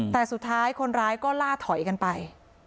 แต่สุดท้ายคนร้ายก็ล่าถอยกันไป